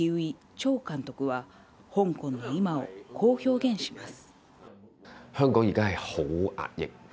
・チョウ監督は香港の今をこう表現します。